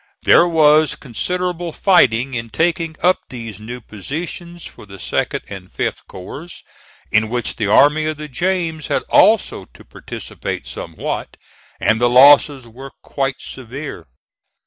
There was considerable fighting in taking up these new positions for the 2d and 5th corps, in which the Army of the James had also to participate somewhat, and the losses were quite severe.